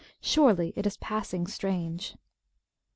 Surely it is passing strange."